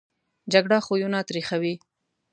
جګړه خویونه تریخوي